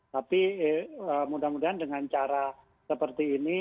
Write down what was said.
tapi mudah mudahan dengan cara seperti ini